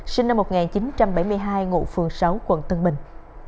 sinh năm một nghìn chín trăm bảy mươi hai ngụ phường sáu quận tân bình